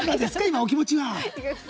お気持ちは。